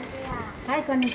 はいこんにちは。